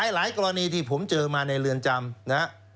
หลายกรณีที่ผมเจอมาในเรือนจำ